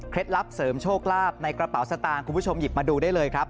ลับเสริมโชคลาภในกระเป๋าสตางค์คุณผู้ชมหยิบมาดูได้เลยครับ